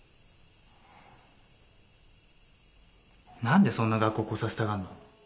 何でそんな学校来させたがんの？